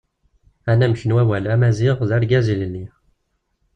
Anamek n wawal Amaziɣ d Argaz ilelli.